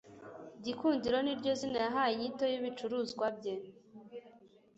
gikundiro niryo zina yahaye inyito y'ibicuruzwa bye